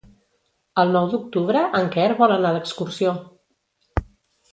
El nou d'octubre en Quer vol anar d'excursió.